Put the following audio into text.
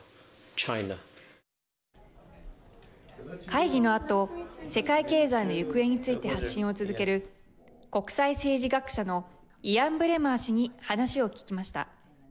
会議のあと世界経済の行方について発信を続ける国際政治学者のイアン・ブレマー氏に話を聞きました。